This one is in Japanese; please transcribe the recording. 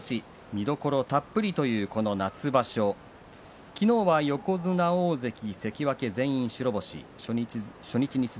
幕内、見どころたっぷりというこの夏場所昨日は横綱、大関、関脇全員白星でした。